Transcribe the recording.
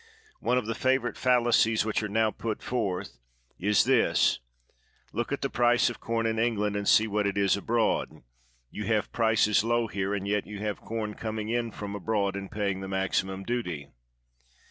One of the 169 THE WORLD'S FAMOUS ORATIONS favorite fallacies which are now put forth is this :*' Look at the price of corn in England, and see what it is abroad; j^ou have prices low here, and yet you have com coming in from abroad and paying the maximum duty.